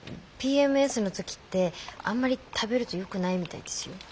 ＰＭＳの時ってあんまり食べるとよくないみたいですよ。